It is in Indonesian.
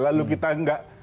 lalu kita tidak